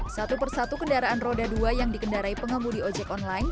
satu persatu kendaraan roda dua yang dikendarai pengemudi ojek online